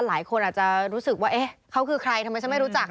หลายคนอาจจะรู้สึกว่าเอ๊ะเขาคือใครทำไมฉันไม่รู้จัก